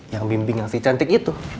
yang bimbing yang si cantik itu